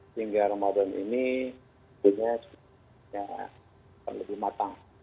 sehingga ramadan ini di dunia kita akan lebih matang